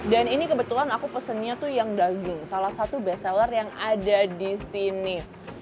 dan ini kebetulan aku pesennya tuh yang daging salah satu best seller yang ada di sini